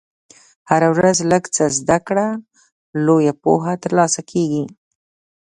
هره ورځ لږ څه زده کړه، لویه پوهه ترلاسه کېږي.